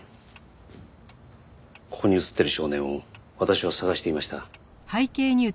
ここに写っている少年を私は捜していました。